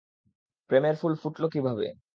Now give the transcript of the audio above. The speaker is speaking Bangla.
প্রেমের ফুল ফুটলো কীভাবে?